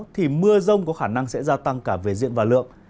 thì mưa rông có khả năng sẽ gia tăng cả về diện và lượng